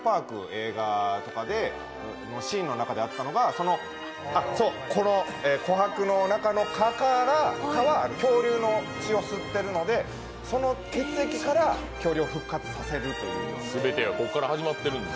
映画とかのシーンの中であったのがこの琥珀の中の蚊から蚊は恐竜の血を吸っているので、その血液から恐竜を復活させるという。